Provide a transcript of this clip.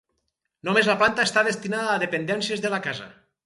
Només la planta està destinada a dependències de la casa.